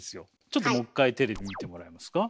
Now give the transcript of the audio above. ちょっともう一回テレビ見てもらえますか。